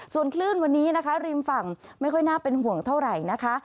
ส่วนคลื่นวันนี้นะคะริมฝั่งไม่ค่อยน่าเป็นห่วงเท่าไหร่นะคะ